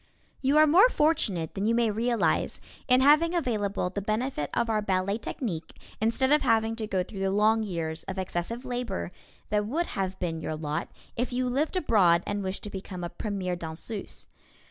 You are more fortunate than you may realize in having available the benefit of our ballet technique instead of having to go through the long years of excessive labor that would have been your lot if you lived abroad and wished to become a premier danseuse.